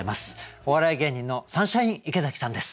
お笑い芸人のサンシャイン池崎さんです。